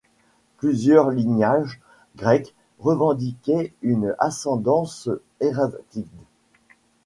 Plusieurs lignages grecs revendiquaient une ascendance héraclide.